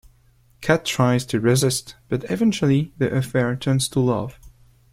Kat tries to resist but eventually the affair turns to love.